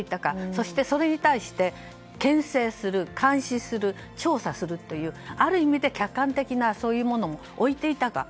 そして、それに対して牽制する監視する、調査するというある意味客観的なものを置いていたか。